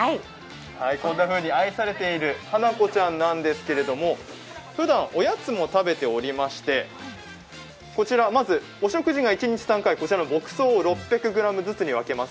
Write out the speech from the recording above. こんなふうに愛されている花子ちゃんなんですけども、ふだんおやつも食べておりまして、こちら、まずお食事が１日３回牧草を１回６００ｇずつに分けます。